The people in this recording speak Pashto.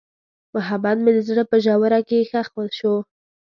محبت مې د زړه په ژوره کې ښخ شو.